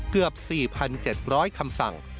เกือบ๔๗๐๐คำสั่ง